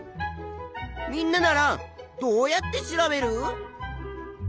みんなならどうやって調べる？